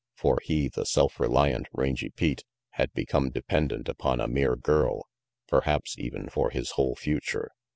For he, the self reliant Rangy Pete, had become dependent upon a mere girl, perhaps even for his whole future.